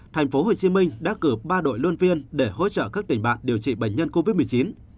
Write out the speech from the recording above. tp hcm đã cử ba đội luân viên để hỗ trợ các tỉnh bạc điều trị bệnh nhân covid một mươi chín